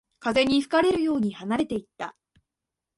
風に吹かれるように離れていった